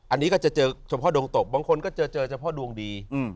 อันนี้ก็จะเจอเฉพาะดวงตกบางคนก็เจอเฉพาะดวงดี